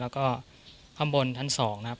แล้วก็ข้างบนชั้น๒นะครับ